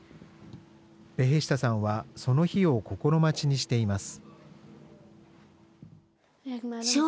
ベヘシタさんはその日を心待ちにしています。